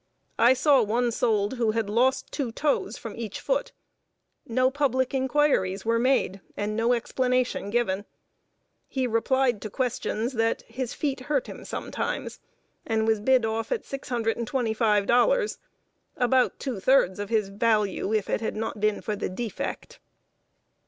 I saw one sold who had lost two toes from each foot. No public inquiries were made, and no explanation given. He replied to questions that his feet "hurt him sometimes," and was bid off at $625 about two thirds of his value had it not been for the "defect."